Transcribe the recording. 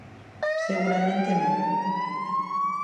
Seguramente, non.